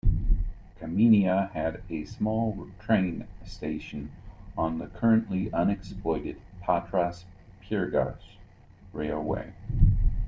Kaminia had a small train station on the currently unexploited Patras-Pyrgos railway.